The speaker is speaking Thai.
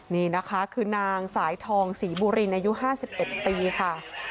นี่นะคะคือนางสายทองศรีบุรินอายุ๕๑ปีค่ะ